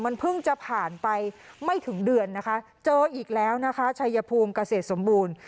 มันเพิ่งจะผ่านไปไม่ถึงเดือนนะคะเจออีกแล้วนะคะชัยภูมิเกษตรสมบูรณ์